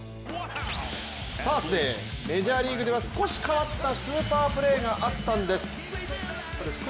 サーズデー、メジャーリーグでは少し変わったスーパープレーがあったんです。